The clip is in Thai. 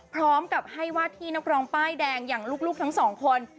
พร้อมกับให้วาดที่นักร้องป้ายแดงอย่างลูกทั้งสองคน